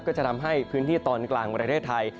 ก็จะทำให้พื้นที่ตอนกลางประเทศไทย